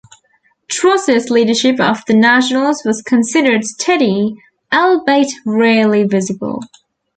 Truss's leadership of the Nationals was considered steady, albeit rarely visible.